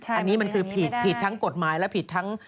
อันนี้มันคือผิดทั้งกฎหมายและผิดทั้ง